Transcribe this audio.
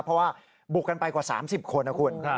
เพราะว่าบุกกันไปกว่า๓๐คนนะคุณ